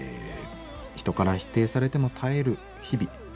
「人から否定されても耐える日々。